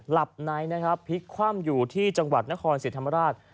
หลับในนะครับพลิกคว่ำอยู่ที่จังหวัดนครศรีธรรมราช